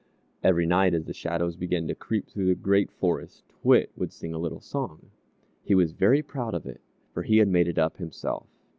Every night as the shadows began to creep through the Great Forest, T'wit would sing a little song. He was very proud of it, for he had made it up himself.